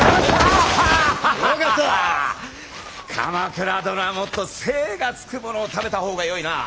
鎌倉殿はもっと精がつくものを食べた方がよいな。